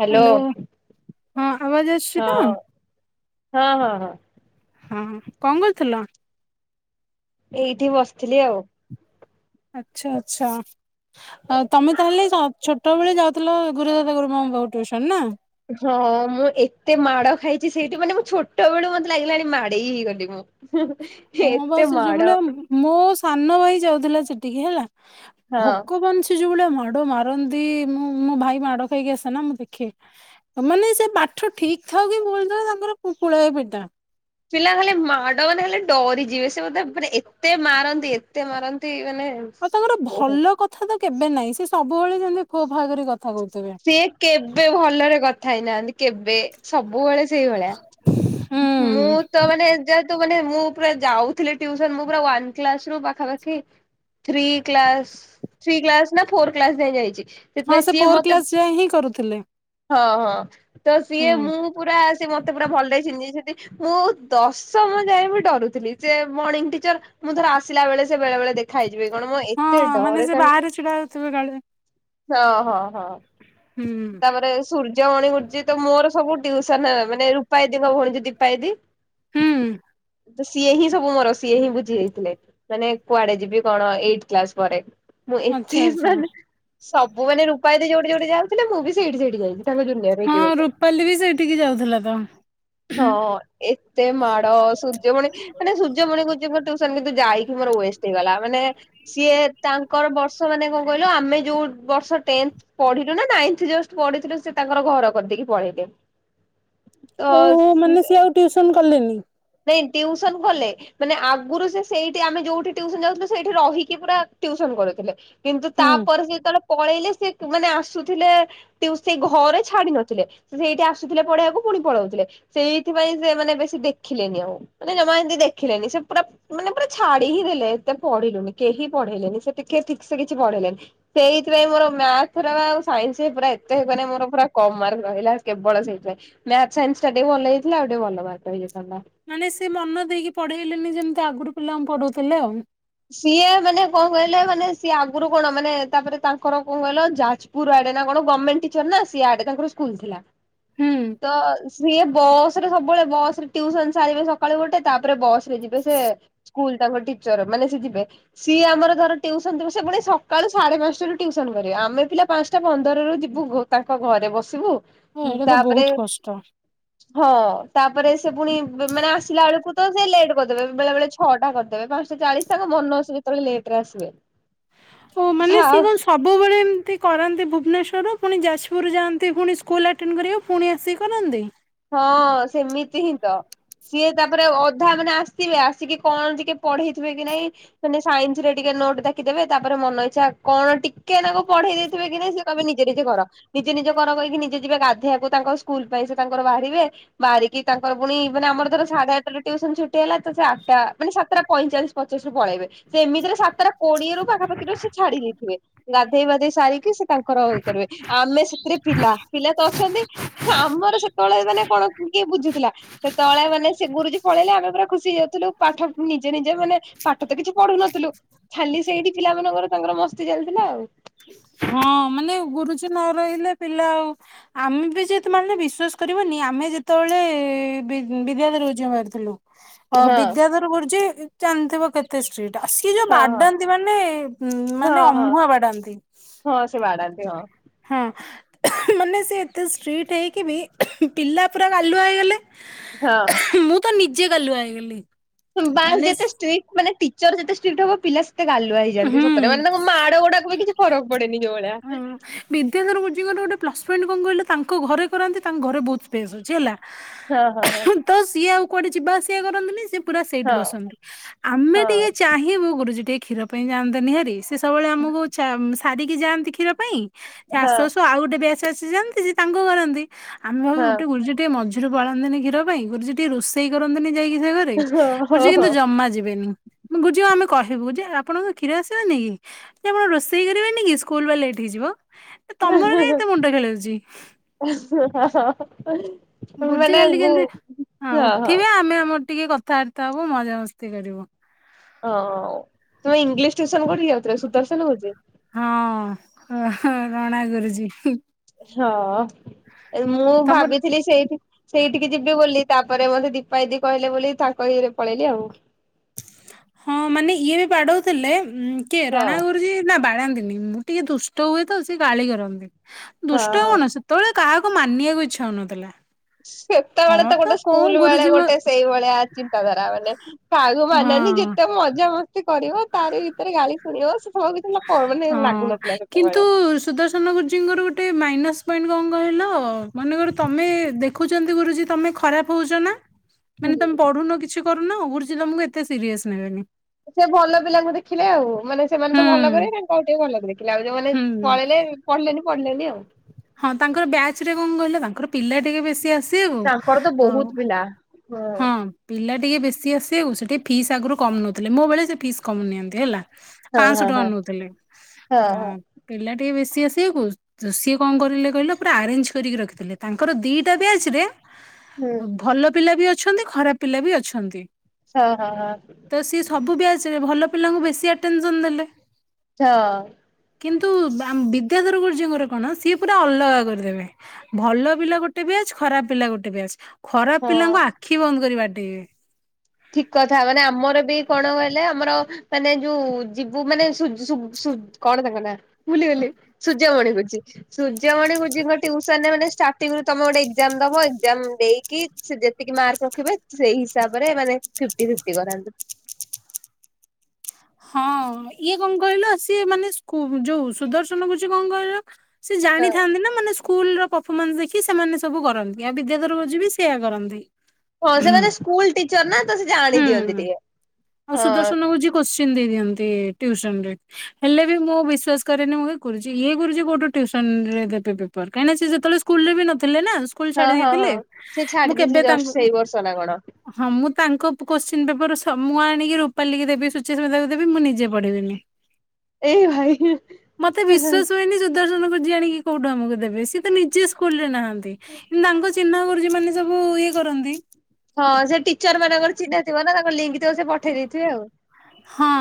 Hello hello ହଁ ଆବାଜ ଆସ ହଁ ହଁ ହଁ ହଁ। ହଁ କଣ କରୁଥିଲ? ଏଇଠି ବସିଥିଲି ଆଉ। ଆଚ୍ଛା ଆଚଛା ଆଉ ତମେ ତାହେଲେ ଛୋଟବେେଳେ ଯାଉଥିଲ? ଗୁରୁ ବାପା ଗରୁ ମାଙ୍କ ପାଖକୁ ଟ୍ୟୁସନ୍ ନା? ହଁ ମୁଁ ଏତେ ମାଡ଼ ଖାଇଚି ସେଇଠି ମାନେ ମୁଁ ଛୋଟ ବେଳୁ ମତେ ଲାଗିଲାଣି ମାଡେଇ ହେଇଗଲି ମୁଁ। ହଁ ବା ଏତେ ସେ ଯୋଉ ମାଡ। ଭଳିଆ ମୋ ସାନ ଭାଇ ଯାଉଥିଲା ସେଠିକି ହେଲା। ହଁ। ଭଗବାନ ଠି ଯୋଉ ଭଳିଆ ମାଡ ମାରନ୍ତି ମୁଁ ମୋ ଭାଇ ମାଡ ଖାଇକି ଆସେ ନା ମୁଁ ଦେଖେ। ମାନେ ସେ ପାଠ ଠିକ ଥାଉ କି ଭୁଲ ଥାଉ ତାଙ୍କର ପୁଳାଏ ବିଧା। ପିଲା ଖାଲି ମାଡ ମାନେ ଖାଲେ ଡରିଯିବେ ସେ ବୋଧେ ମାନେ ଏତେ ମାରନ୍ତି ଏତେ ମାରନ୍ତି ମାନେ ଆଉ ତାଙ୍କର ବହୁତ ଭଲ କଥା ତ କେବେ ନାହିଁ। ସେ ସବୁବେଳେ ଯେମିତି ଖୋ ଖା କର କଥା କହୁଥିବେ। ସିଏ କେବେ ଭଲରେ କଥା ହେଇନାହାନ୍ତି କେବେ। ସବୁବେଳେ ସେଇଭଳିଆ। ହୁଁ ମୁଁ ତ ମାନେ ଏ ଯ ତ ମାନେ ମୁଁ ପୁରା ଯାଉଥିଲି ଟିଉସନ ମୁଁ ପୁରାୱାନ କ୍ଲାସ୍ ରୁ ପାଖାପାଖି ଥ୍ରୀ କ୍ଲାସ, ଥ୍ରୀ କ୍ଲାସ ନା ଫୋର କ୍ଲାସ ଯାଏଁ ଯାଇଚି। ହଁ ସେ ଫୋର କ୍ଲାସ ଯାଏ ହିଁ କରୁଥିଲେ। ହଁ ହଁ ତ ସିଏ ହୁଁ। ମୁଁ ପୁରା ସିଏ ମତେ ପୁରା ଭଲରେ ଚିହ୍ନି ଯା ଚନ୍ତି ସେଠି ମୁଁ ଦଶମ ଯାଇଏ ମୁଁ ଡରୁଥିଲି। ସେ ମର୍ଣିଂ ଟିଚର ମୁଁ ଥର ଆସିଲା ବେଳେ ସେ ବେଳେ ବେଳେ ଦେଖ ଖାଇଯିବେ କଣ ମୁଁ ଏତେ ହଁ ମାନେ ଡରେ ସେ ତାଙ୍କୁ ବାହାରେ ଛିଡା ହଉଥିବେ କାଳେ। ହଁ ହଁ ହଁ। ହୁଁ ତାପରେ ସୂର୍ଯ୍ୟମଣି ଗୁରୁଜୀ ତ ମୋର ସବୁ ଟ୍ୟୁସନ ମାନେ ରୂପାଦିଦି ଙ୍କ ଭଉଣି ଯଉ ଦୀପା ଦିଦି ହୁଁ। ତ ସିଏ ହିଁ ସବୁ ମୋର ସିଏ ହିଁ ବୁଝି ଯାଇଥିଲେ, ମାନେ କୁଆଡେ ଯିବି କଣ ଏଇଟତ କ୍ଲାସ ପରେ। ମୁଁ ଆଚ୍ଛା ଏତେ ଆଚ୍ଛା ମାନେ ସବୁ ମାନେ ରୂପାଦିଦି ଯୋଉଠି ଯୋଉଠି ଯାଉଥିଲେ ମୁଁ ବି ସେଇଠି ସେଇଠି ଯାଇଥି ହଁ ରୁପାଲି ବି ସେଇଠିକି ଯାଉଥିଲା ତ। ହଁ ଏତେ ମାଡ ସୂର୍ଯ୍ୟମଣୀ ମାନେ ସୂର୍ଯ୍ୟମଣି ଗୁରୁଜୀ ଙ୍କ ଟ୍ୟୁସନ କିନ୍ତୁ ଯାଇକି ମୋର ୱେଷ୍ଟ ହେଇଗଲା ମାନେ ସିଏ ତାଙ୍କର ବର୍ଷ ମାନେ କଣ କହିଲ ଆମେ ଯୋଉ ବର୍ଷ ଟେନ୍ଥ ପଢିଲୁ ନା ନାଇନ୍ତ ଜଷ୍ଟ ପଢିଥିଲୁ ସେ ତାଙ୍କର ଘର କରିଦେଇକି ପଳେଇଲେ। ଓହୋ ମାନେ ତ ସିଏ ଆଉ ଟ୍ୟୁସନ କଲେନି? ନାଇଁ ଟିଉସନ କଲେ। ମାନେ ଆଗରୁ ସେ ସେଇଠି ଆମେ ଯୋଉଠି ଟ୍ୟୁସନ ଯାଉଥିଲୁ ସେଇଠି ରହିକି ପୁରା ଟିଉସନ କରଉଥିଲେ। କିନ୍ତୁ ହୁଁ। ତାପରେ ସେ ଯେତେବେଳେ ପଳେଇଲେ ସେ ଆ ମାନେ ଆସୁଥିଲେ ଟ୍ୟୁ ସେଇ ଘରେ ଛାଡି ନଥିଲେ। ସେ ସେଇଠି ଆସୁଥିଲେ ପଢେଇବାକୁ ପୁଣି ପଳଉଥିଲେ। ସେଇଥିପାଇଁ ସେ ମାନେ ବେଶୀ ଦେଖିଲେନି ଆଉ। ମାନେ ଜମା ଏମତି ଦେଖିଲେନି ସେ ପୁରା ମାନେ ପୁରା ଛାଡି ହିଁ ଦେଲେ ଏତେ ପଢିଲୁନି କେହି ପଢେଇଲେନି। ସେ ଟିକେ ଠିକ ସେ କିଛି ପଢେଇଲେନି। ସେଇଥିପାଇଁ ମୋର ମ୍ୟାଥ ର ଆଉ ସାଇନ୍ସ ପୁରା ଏତେ ମାନେ ମୋର ପୁରା କମ ମାର୍କସ ରହିଲା କେବଳ ସେଇଥିପାଇଁ। ମ୍ୟାଥ୍ ସାଇନ୍ସ ଟା ଭଲ ହେଇଥିଲେ ଆଉ ଟିକେ ଭଲ ମାର୍କ ହୋଇଯାଇଥାଆନ୍ତା। ମାନେ ସେ ମନ ଦେଇକି ପଢେଇଲେନି ଯେମିତି ଆଗରୁ ପିଲାଙ୍କୁ ପଢ଼ଉଥିଲେ ଆଉ। ସିଏ ମାନେ କଣ କହିଲେ ମାନେ ସିଏ ଆଗରୁ କଣ ମାନେ ତାପରେ ତାଙ୍କର କଣ କହିଲ ଯାଜ ପୁର ଆଡେ ନା କଣ ଗମେଣ୍ଟ ଟିଚର ନା ସ ଆଡେ ତାଙ୍କର ସ୍କୁଲ ଥିଲା ହୁଁ। ତ ସିଏ ବସ ରେ ସବୁବେଳେ ବସ ରେ ଟିୟୁସନ ସାରିବେ ସକାଳୁ ଗୋଟେ ତାପରେ ବସରେ ଯିବେ ସେ ସ୍କୁଲ୍ ତାଙ୍କ ଟିଚର ମାନେ ସେ ଯିବେ ସିଏ ଆମର ଧର ଟିଉସନ ଦେବେ ସେପୁଣି ସକାଳୁ ସାଢେ ପାଞ୍ଚଟାରୁ ଟିଉସନ କରିବେ ଆମେ ପିଲା ପାଞ୍ଚଟା ପନ୍ଦରରୁ ଯିବୁ ଭୋ ତାଙ୍କ ଘରେ ବସିବୁ ଓ ଉଁ ଏଇଟା ତ ତାପରେ ବହୁତ କଷ୍ଟ। ହଁ ତାପରେ ସେପୁଣି ମାନେ ଆସିଲା ବେଳକୁତ ସେ ଲେଟ୍ କରିଦେବେ ବେଳେ ବେଳେ ଛଅଟା କରିଦେବେ ପାଞ୍ଚଟା ଚାଳିଶି ତାଙ୍କ ମନ ସେକେତେଳେ ଲେଟରେ ଆସିବେ। ହଁ ମାନେ ସେ ଥାଉ ସବୁବେଳେ ଏମିତି କରନ୍ତି ଭୁବନେଶ୍ୱରରୁ ପୁଣି ଯାଜପୁରରୁ ଯାଆନ୍ତି ପୁଣି ସ୍କୁଲ ଆଟେଣ୍ଡ କରିବାକୁ। ପୁଣି ଆସିକି କରନ୍ତି? ହଁ ସେମିତି ହିଁତ। ସିଏ ତାପରେ ଅଧା ମାନେ ଆସିଥିବେ ଆସିକି କଣ ଟିକେ ପଢେଇଥିବେକି ନାଇଁ ମାନେ ସାଇନ୍ସରେ ଟିକେ ନୋଟ୍ ଡାକିଦେବେ ତାପରେ ମନଇଚ୍ଛା କଣ ଟିକେନାଗୁ ପଢେଇ ଦେଇଥିବେକି ନାହିଁ ସେ ତମେ ନିଜେ ନିଜେ କର ନିଜେ ନିଜେ କର କହିକି ନିଜେ ଯିବେ ଗାଧେଇବାକୁ ତାଙ୍କ ସ୍କୁଲ ପାଇଁ ସେତାଙ୍କର ବାହାରିବେ ବାହାରିକି ତାଙ୍କର ପୁଣି ମାନେ ଆମର ଧର ସାଢେ ଆଠଟା ଟିଉସନ ଛୁଟି ହେଲା ତସେ ଆଠଟା ମାନେ ସାତଟା ପଈଚାଲିଶି ପଚିଶିରୁ ପଳେଇବେ। ସେ ଏମିତିରେ ସାତଟା କୋଡିଏରୁ ପାଖାପାଖରୁ ସେଛାଡ଼ି ଦେଇଥିବେ ଗଧେଇ ବାଧେଇ ସାରିକି ସେ ତାଙ୍କର ଇଏ କରିବେ ଆମେ ସେଥିରେ ପିଲା ପିଲାତ ଅଛନ୍ତି ନା ଆମର ସେ ପଳେଇବେନା କଣ କିଏ ବୁଝୁଥିଲା। ସେ ତଳେ ମାନେ ସେଗୁରୁଜୀ ପଳେଇଲେ ଆମେ ପୁରା ଖୁସି ହେଇଯାଉଥିଲୁ ପାଠ ନିଜେ ନିଜେ ମାନେ ପାଠତ କିଛି ପଢୁ ନଥିଲୁ ଖାଲି ସେଇଠି ପିଲା ମାନଙ୍କର ତାଙ୍କର ମସ୍ତି ଚାଲିଥିଲା ଆଉ। ହଁ ମାନେ ଗୁରୁଜୀ ନରହିଲେ ପିଲା ଆଉ ଆମେବି ଯେହେତୁ ମାନେ ବିଶ୍ୱାସ କରିବନି ଆମେ ଯେତେବେଳେ ବି ବିଦ୍ୟାଧର ଗୁରୁଜୀଙ୍କ ପାଖରେ ଥିଲୁ। ଅ ହଁ ବିଦ୍ୟାଧର ଗୁରୁଜୀ ଜାଣିଥିବ କେ ଏତେ ଷ୍ଟ୍ରିଟ୍ ସିଏ ଯୋଉ ହଁ ହଁ ବାଡାନ୍ତି ମାନେ ହଁ ମାନେ ହଁ ଅମୁହା ବାଡାନ୍ତି। ହଁ ସେ ବାଡ଼ାନ୍ତି ହଁ। ହଁ ମାନେ ସେ ଏତେ ଷ୍ଟ୍ରିଟ୍ ହେଇକିବି ପିଲା ପୁରା ଗାଲୁଆ ହେଇଗଲେ। ହଁ ମୁଁତ ନିଜେ ଗଲୁଆ ହେଇଗଲି। ବାସ୍ ମାନେ ଯେତେ ଷ୍ଟ୍ରିଟ୍ ମାନେ ଟିଚର ଯେତେ ଷ୍ଟ୍ରିଟ୍ ହବ ପିଲା ସେତେ ଗାଲୁଆ ହେଇଯାଆନ୍ତି ସତରେ ମାନେ ହୁଁ ତାଙ୍କ ମାଡ଼ ଗୁଡାକୁବି କିଛି ଫରକ୍ ପଡ଼େନି ଯୋଉ ଭଳିଆ। ହୁଁ ବିଦ୍ୟାଧର ଗୁରୁଜୀଙ୍କ ଗୋଟିଏ ପ୍ଲସ ପଏଣ୍ଟ କଣ କହିଲ ତାଙ୍କ ଘରେ କରାନ୍ତି ତାଙ୍କ ଘରେ ବହୁତ୍ ସ୍ପେସ୍ ଅଛି ହେଲା। ହଁ ହଁ ହଁ। ତସିଏ ଆଉ କୁଆଡ଼େ ଯିବା ଆସିବା କରନ୍ତିୁନିସେ ପୁରା ସେଇଠି ହଁ ବସନ୍ତି ଆମେ ଟିକେ ହଁ ଚାହିଁବୁ ଗୁରୁଜୀ ଟିକେ କ୍ଷୀର ପାଇଁ ଯାଆନ୍ତେନି ହାରି ସେ ସବୁବେଳେ ଆମକୁ ଛା ସାରିକି ଯାଆନ୍ତି କ୍ଷୀର ପାଇଁ ହଁ ଆସୁ ଆସୁ ଆଉ ଗୋଟେ ବ ସେଆସି ଯାଆନ୍ତି ସେତାଙ୍କୁ କରନ୍ତି ଆମେ ଭାବୁ ହଁ ଗୋଟେ ଗୁରୁଜୀ ଟିକେ ମ ମଝିରୁ ପାଳନ୍ତିିନି କ୍ଷୀର ପାଇଁ ଗୁରୁଜୀ ଟିକେ ରୋଷେଇ କରନ୍ତି ଯାଇକି ସେ ଘ ସେଇ ହଁ ଗୁରୁଜୀ ହଁ ହଁ କିନ୍ତୁ ଜମା ଯିବେନି। ଗୁରୁଜୀଙ୍କୁ ଆମେ କହିବୁ ଯେ ଆପଣଙ୍କ କ୍ଷୀର ଆସିବନିକି ଯେଆପଣ ରୋଷେଇ କରିବେନିକି ସ୍କୁ ସ୍କୁଲବା ଲେଟ୍ ହେଇଯିବ ତମର ଏତେ କାଇଁ ମୁଣ୍ଡ ଖେଳଉଚି। [unintelligible] ଗୁରୁଜୀ ମାନେ ଖାଲି ଗୁ କେମିତି ହଁ ଉଠିବେ ଆମେ ଆମର ଟିକେ କଥାବାର୍ତ୍ତା ହବୁ ମଜାମସ୍ତି କରିବୁ। ଓଉ ତୁ ଇଂଲିଶ ଟିଉସନ କୋଉଠିକି ଯାଉଥିଲ ସୁଦର୍ଶନ ଗୁରୁଜୀ। ହଁ ରଣା ଗୁରୁଜୀ। ହଁ ଏମୁଁ ତମର ଭାବିଥିଲି ସେଇଠି ସେଇଠିକି ଯିବି ବୋଲି ତାପରେ ମତେ ଦୀପାଦିଦି କହିଲେ ବୋଲି, ତାଙ୍କ ଇଏରେ ପଳେଇଲି ଆଉ। ହଁ ମାନେ ଇଏ ବି ବାଡଉଥିଲେ କିଏ ହଁ ରଣା ଗୁରୁଜୀ ନା ବାଡ଼ାନ୍ତିନି ମୁଁ ଟିକେ ଦୁଷ୍ଟ ହୁଏ ତ, ସେ ଗାଳି କରନ୍ତି। ହଁ ଦୁଷ୍ଟ ହଁ କଣ ସେ ତବେଳେ କାହାକୁ ମାନିବାକୁ ଇଚ୍ଛା ହଉନଥିଲା। ହଁ ସେତେବେଳେ ତ ଗୋଟେ କୋଉ ସ୍କୁଲ୍ ବେଳେ ଗୁରୁଜୀ ମୋ ଗୋଟେ ସେଇଭଳିଆ ଚିନ୍ତାଧାରା। ମାନେ କାହାକୁ ମାନେନି ହଁ ଯେତେ ମଜା ମସ୍ତି କରିବ। ତାରି ଭିତରେ ଗାଳି ଶୁଣିଦବ। ସେ ସ- ଭିତରେ ଲ ହଁ କିନ୍ତୁ ସୁଦର୍ଶ [unintelligible] ଜୀଙ୍କର, ଗୋଟେ ମାଇନସ୍ ପଏଣ୍ଟ କଣ କହିଲ? ମନେ କର ତୋମେ ଦେ ଖୁଛନ୍ତି ଗୁରୁଜୀ, ତୋମେ ଖରାପ ହଉଚ ନା [inaudible] ମାନେ ତୋମେ ପଢୁନ, କିଛି କରୁନ, ଗୁରୁଜୀ ତୋମକୁ ଏତେ ସିରିଏସ୍ ନେବେନି। ତ ସେ ଭଲ ପିଲାଙ୍କୁ ଦେଖିଲେ ଆଉ। ମାନେ ସେମାନେ ତ ହୁଁ ଭଲ କରିବେ, ତାଙ୍କୁ ଆଉ ଟିକେ ଭଲ କରେ। ପିଲା ଯୋଉମାନେ ହୁଁ ପଳେଇଲେ, ପଢିଲେନି, ପଢିଲେନି ଆଉ। ହଁ ତାଙ୍କର ବ୍ୟାଚ୍ ରେ କଣ କହିଲ? ତାଙ୍କର ପିଲା ଟିକେ ବେଶୀ ଆସ ସିଏକୁ। ତାଙ୍କର ତ ଆଉ ବହୁତ ପିଲା ହଁ, ପିଲା ଟିକେ ବେଶୀ ଆସିବାକୁ, ସେଠି ଫିସ୍ ଆଗରୁ କମ ନଉଥିଲେ। ମୋ ବେଳେ ସେ ଫିସ୍ କମ ନିଅନ୍ତି ହେଲା। ହଁ ପାଁଶ ହଁ ଟଙ୍କା ହଁ ନଉଥିଲେ। ହଁ, ପିଲା ଟିକେ ବେଶୀ ଆସିବାକୁ। ସିଏ କଣ କରିଲେ କହିଲ? ପୁରା ଆରେଞ୍ଜ କରିକି ରଖିଥିଲେ। ତାଙ୍କର ଦିଟା ବ୍ୟାଚ୍ ରେ ହୁଁ ଭଲ ପିଲା ବି ଅଛନ୍ତି। ଖରାପ ପିଲା ବି ଅଛନ୍ତି। ହଁ, ହଁ, ହଁ। ତ ସିଏ ସବୁ ବ୍ୟାଚ୍ ରେ, ଭଲ ପିଲାଙ୍କୁ ବେଶୀ ଆଟେନସନ୍ ଦେଲେ। ଛ କିନ୍ତୁ, ଆମ୍ ବିଦ୍ୟାଧର ଗୁଜଜୀଙ୍କର କଣ, ସିଏ ପୁରା ଅଲଗା କରିଦେବେ। ଭଲ ପିଲା ଗୋଟେ ବ୍ୟାଚ୍, ଖରାପ ପିଲା ଗୋଟେ ବ୍ୟାଚ୍। ଖରାପ ହଁ। ପିଲାଙ୍କୁ ଆଖି ବନ୍ଦ କରି ବାଡେଇବେ। ଠିକ କଥା, ମାନେ ଆମର ବି କଣ କହିଲେ? ଆମର ମାନେ ଯୋଉ ଯିବୁ ମାନେ ସୁ-ସୁ-ସୁ- କଣ ତାଙ୍କ ନାଁ? ଭୁଲିଗଲି। ସୂର୍ଯ୍ୟମଣି ଗୁରୁଜୀ। ସୂର୍ଯ୍ୟମଣି ଗୁରୁଜୀଙ୍କ ଟିଉସନ ରେ ମାନେ ଷ୍ଟାର୍ଟିଙ୍ଗ ରୁ ତୋମେ ଗୋଟେ ଏକ୍ଜାମ୍ ଦବ। ଏକ୍ଜାମ୍ ଦେଇ କି ସେ ଯେତିକି ମାର୍କ ରଖିବେ। ସେ ସେଇ ହିସାବ ରେ, ମାନେ ଫିଫ୍ଟି ଫିଫ୍ଟି କରାନ୍ତି। ହଁ, ଇଏ କଣ କହିଲ? ସିଏ ମାନେ ସ୍କୁ ଯୋଉ ସୁଦର୍ଶନ ଗୁରୁଜୀ କଣ କହିଲ? ସିଏ ଜାଣିଥାନ୍ତି ନା, ମାନେ ସୁ କୁଲ୍ ର ପଫମାନ୍ସ ଦେଖି ସେମାନେ ସବୁ କରନ୍ତି। ଆଉ ବିଦ୍ୟାଧର ଗୁରୁଜୀ ବି ସେଇଆ କରନ୍ତି। ହଁ, ସେମାନେ ସ୍କୁଲ୍ ଟିଚର୍ ନା, ତ ସେ ଜାଣି ଦିଅନ୍ତି ହୁଁ ଟିକେ। ଆଉ ହଁ ସୁଦର୍ଶନ ଗୁରୁଜୀ କୋଶ୍ଚିନ ଦେଇ ଦିଅନ୍ତି ଟିଉସନ ରେ। ହେଲେ ବି ମୁଁ ବିଶ୍ଵାସ କରେନି। ମୁଁ କହେ ଗୁରୁଜୀ, ଇଏ ଗୁରୁଜୀ କୋଉଠୁ ଟିଉସନ ରେ ଦେବେ ପେପ କାହିଁ ନା ସିଏ ସେତେବେଳେ ସ୍କୁଲ୍ ରେ ବି ନଥିଲେ ନା। ସୁ କୁଲ୍ ହଁ ହଁ ଛାଡିଦେଇଥିଲେ। ହଁ। ସେ ଛାଡି ମୁଁ ଦେଇଥିଲେ କେବେ ଜଷ୍ଟ ତାଙ୍କୁ ସେଇ ମୁଁ ବର୍ଷ ନା କଣ ହଁ, ମୁଁ ତାଙ୍କ କୋଶ୍ଚିନ୍ ପେପର୍ ସ ମୁଁ ଆଣିକି ରୂପାଲୀକୁ ଦେବି। ସୁଚିସ୍ମିତାକୁ ଦେବି। ମୁଁ ନିଜେ ପଢ଼ିବିନି। ଏଇ ଭାଇ ମୋତେ ବିଶ୍ଵାସ ହୁଏନି ସୁ ଦର୍ଶନ ଗୁରୁଜୀ ଆଣିକି କୋଉଠୁ ଆମକୁ ଦେବେ। ସିଏ ତ ନିଜେ ସ୍କୁଲ୍ ରେ ନାହାନ୍ତି। କିନ୍ତୁ ତାଙ୍କ ଚିହ୍ନା ଗୁରୁଜୀ ମାନେ ସବୁ ଇଏ କରନ୍ତି। ହଁ ସେ ଟିଚର୍ ମାନଙ୍କର ଚିହ୍ନା ଥିବ ନା। ତାଙ୍କ ଲିଙ୍କ୍ ଥିବ ସେ ପଠେଇ ଦେଇଥିବେ ଆଉ। ହଁ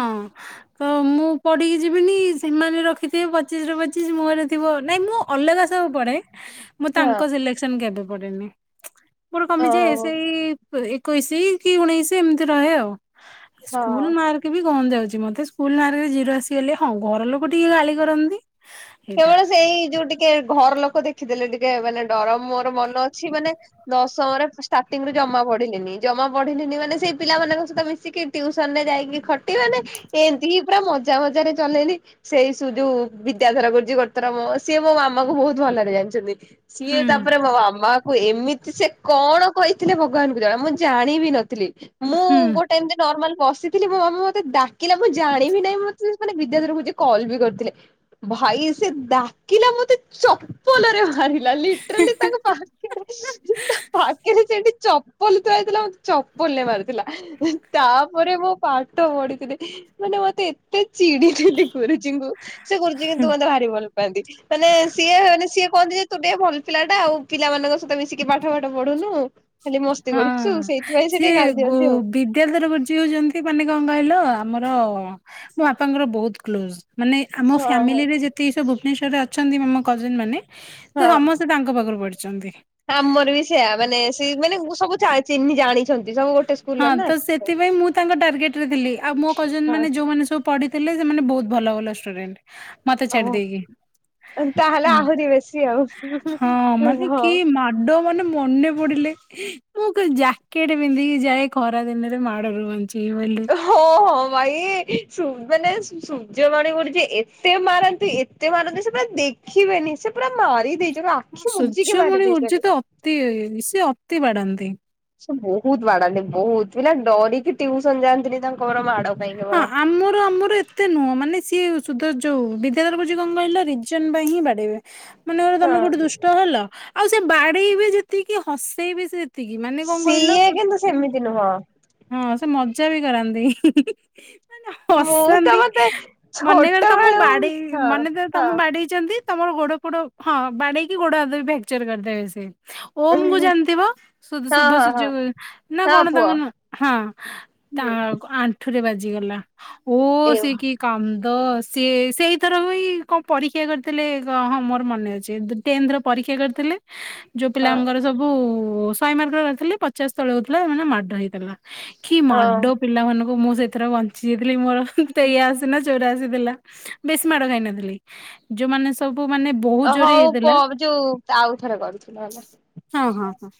ତ ମୁଁ ପଢ଼ିକି ଯିବିନି ସେମାନେ ରଖିଥିବେ ପଚିଶରୁ ପଚିଶି। ମୋର ଥିବ, ନାଇଁ ମୁଁ ଅଲଗା ସବୁ ପଢ଼େ। [inaudible] ମୁଁ ତାଙ୍କ ସିଲେକ୍ସନ କେବେ ପଡନି। ମୋର କମି ଯେ ଓହୋ ସେଇ ଏକୋଇଶ, କି ଉଣେଇଶ। ଏମିତି ରହେ ଆଉ। ସ୍କୁ ହଁ। ମାର୍କ ବି କଣ ଯାଉଛି ମତେ ସ୍କୁଲ ନାର, ଜିରୋ ଆସିଗଲେ। ହଁ। ଘର ଲୋକ ଟିକେ ଗାଳି କରନ୍ତି। ସେଇଟା କେବଳ ସେଇ ଯୁ ଟିକେ ଘର ଲୋକ ଦେଖିଦେଲେ ଟିକେ ମାନେ ଡର ମୋର ମାନେ ଅଛି ମାନେ ଦଶମରେ ଷ୍ଟାର୍ଟିଂ ରୁ ଜମା ପଢିଲିନି ଜମା ପଢିଲିିନି ମାନେ ସେଇ ପିଲାମାନଙ୍କ ସହିତ ମିଶିକି ଟିୟୁସନ ରେ ଯାଇକି ଖଟି ମାନେ ଏମିତି ପୁରା ମଜା ମଜାରେ ଚଲେଇଲି। ସେଇ ସୁ ଯୁ ବିଦ୍ୟାଧର ଗୋ ଜି ଗୋଟେ ଥର ମ ସିଏ ମୋ ମାମା କୁ ବହୁତ ଭଲରେ ଜାଣିଛନ୍ତି ସିଏ ହୁଁ ତାପରେ ମୋ ମାମା ଏମିତି ସେ କଣ କହିଥିଲେ ଭଗବାନ କୁ ଜଣ ମୁଁ ଜାଣିବି ନଥିଲି ମୁଁ ହୁଁ। ଗୋଟେ ଏମିତି ନର୍ମାଲ ବସିଥିଲ ମୋ ମାମା ମୋତେ ଡାକିଲାଁ ଜାଣିବି ନାହିଁ ମୋତେ ବିଦ୍ୟାଧର ମୋତେ କଲ ବି କରିଥିଲେ। ଭାଇ ସେ ଡାକିଲା ମତେ ଚପଲରେ ବାଢ଼େଇ ଲିଟ୍ରଲି ତାଙ୍କ ପାଖରେ ତା ପାଖରେ ସେଠୀ ଚପଲ ଥୁଆ ହେଇଥିଲା ମୋତେ ଚପଲେ ମାରୁଥିଲା ତାପରେ ମୁଁ ପାଠ ପଢିଥିଲେ। ମାନେ ମତେ ଏତେ ଚିଡିଥିଲି ଗୁରୁଜୀଙ୍କୁ ସେ ଗୁରୁଜୀ କିନ୍ତୁ ମତେ ଭାରି ଭଲ ପାଆନ୍ତି। ମାନେ ସିଏ ମାନେ ସିଏ କହନ୍ତି ଯେ ତୁ ଟିକେ ଭଲ ପିଲା ଟା ଆଉ ପିଲାମାନଙ୍କ ସହିତ ମିଶିକି ପାଠ ଫାଠ ପଢୁନୁ। ଖାଲି ମସ୍ତି ହଁ କରୁଛୁ ସେଇଥିପାଇଁ ସେ ସିଏ ଟିକେ ଗାଳି ଗୁ ଦିଅନ୍ତି ଆଉ ବିଦ୍ୟଧର ଗୁର୍ଜି ହଉଛନ୍ତି ମାନେ କଣ କହିଲ ଆମର ମୋ ବାପାଙ୍କର ବହୁତ କ୍ଲୋଜ ମାନେ ଆମ ହଁ ହଁ ଫ୍ୟାମିଲି ରେ ଯେତିକି ସବୁ ଭୁବନେଶ୍ଵରରେ ଅଛନ୍ତି ଆମ କଜନ ମାନେ ସେ ହଁ। ସମସ୍ତେ ତାଙ୍କ ପାଖରୁ ପଡିଛନ୍ତି। ଆମର ବି ସେୟା ମାନେ ସେ ମାନେ ସବୁଜାଣି ଚିହ୍ନି ଜାଣିଛନ୍ତି ସବୁ ଗୋ ହଁ ତ ସେଥିପାଇଁ ମୁଁ ତାଙ୍କ ଟାର୍ଗେଟ ରେ ଥିଲି ଆଉ ମୋ କଜନ ହଁ ମାନେ ଯୋଉମାନେ ସବୁ ପଢିଥିଲେ ସେମାନେ ବହୁତ ଭଲ ଭଲ ଷ୍ଟୁଡେଣ୍ଟ ମତେ ଓହୋ ଛାଡି ଦେଇେଇକି। ତାହେଲେ ଆହୁରି ବେଶୀ ହଁ ଆଉ ମାନେ ହଁ। କି ମାଡ ମାନେ ପଡିଲେ ମୁଁ ଜ୍ୟାକେଟ ପିନ୍ଧିକି ଯାଏ ଖରା ଦିନରେ ମାଡରୁ ବଞ୍ଚିବି ବୋଲି। ହୋ ହୋ ଭାଇ ଶୁ ମାନେ ସୂର୍ଯ୍ୟବାଣି ବୋଲି ଯେ ଏତେ ମାରନ୍ତି ଏତେ ମାରନ୍ତି ସେ ପୁରା ଦେଖିବେନି ସେ ପୁରା ମାରି ଦେଇଛି। ଜେକ୍ ଆଖି ମୁଜିକି ମାରିବେ ତାକୁ। ତି ସେ ଅତି ବାଡାନ୍ତି। ସେ ବହୁତୁ ବାଡାନ୍ତି ବହୁତ ପିଲା ଡରିକି ଟିୟୁସନ ଯାଆନ୍ତିନି ତାଙ୍କର ମାଡ ପାଇଁ କେବଳ। ଆମର ଆମର ଏ ଏତେ ନୁହଁ ମାନେ ସିଏ ସୁଦ ଯୋଉ ବିଦ୍ୟାଧର ଗୁରୁଜୀ କଣ କହୀଲ ରିଜନ ପାଇଁ ହିଁ ବାଡ଼େଇବେ। ମନେକର ହଁ ତମେ କାଉଠି ଦୁଷ୍ଟ ହେଲ ଆଉ ସେ ବାଡେଇ ବି ଯେତିକି ହସେଇ ବି ସେ ସେତିକି ମାନେ କଣ କହିଲ? କି ନୁହଁ? ହଁ ସେ ମଜା ବି କରାନ୍ତି। ହିଁ ହିଁ ହିଁ। ନ ମୁଁ ତ ହସାନ୍ତି ମତେ ଛୋଟ ମନେକରେ ତମ ବେଳୁ ବାଡେଇ ହଁ ମନେ ତର ହଁ। ତମ ବାଡେଇ ଛନ୍ତି ତମର ଗୋଡ ପୋଡ ହଁ ବାଡେଇକି ଗୋଡ ହାତ ଫ୍ରାକ୍ଚର କରିଦେବେ ସିଏ। ହଁ ଓମ କୁ ଜାଣିଥିବ ଶୁଭ ହଁ ହଁ ସୂର୍ଯ୍ୟ ନା ହଁ କଣ ପୁଅ ତାଙ୍କ ନଁ? ହଁ ତା ହୁଁ ଆଣ୍ଠୁରେ ବାଜିଗଲା ଓ ଏଇ ସେକିି କାନ୍ଦ ସିଏ ସେଇଥର ବି କଣ ପରୀକ୍ଷା କରିଥିଲେ ହଁ ମୋର ମନେ ଅଛି। ଟେନ୍ଥ ର ପରୀକ୍ଷା କରିଥିଲେ। ଯୋଉ ପିଲାଙ୍କର ସବୁ ଶହ ମାର୍କ ର କରିଥିଲି ପଚାଶ ତଳେ ହଉଥିଲା ସେ ମାନେ ମାଡ ହେଇଥିଲା। କି ମାଡ ପିଲାମାନାନଙ୍କୁ ମୁଁ ସେଇଥିରେ ବଞ୍ଚି ଯାଇଥିଲି ମୋର ତେୟା ଅସି ନା ଚୋର ଆସିଥିଲା ବେଶୀ ମାଡ ଖାଇନଥିଲି ଯୋଉମାନେ ସବୁ ମାନେ ବହୁତ ଜୋରେ ହଉ ପ ହେଇଥିଲା ଯୋଉ ଆଉ ଥରେ କରୁଛି ନହେଲେ। ହଁ ହଁ ହଁ।